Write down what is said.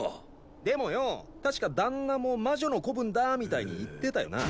でもよぉ確か旦那も魔女の子分だみたいに言ってたよなあ？